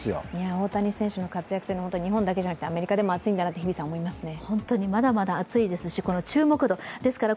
大谷選手の活躍は日本だけじゃなくてアメリカでも熱いんだなって思いますね。